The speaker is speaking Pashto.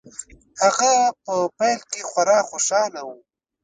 هغه په پیل کې خورا خوشحاله و